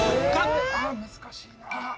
あ難しいな。